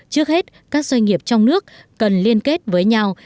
trước hết các doanh nghiệp trong nước cần liên kết với nhau